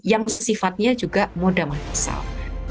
yang sifatnya juga moda manifesal